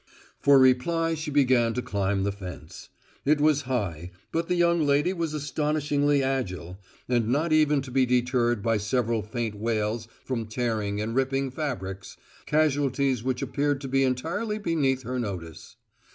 For reply she began to climb the fence. It was high, but the young lady was astonishingly agile, and not even to be deterred by several faint wails from tearing and ripping fabrics casualties which appeared to be entirely beneath her notice.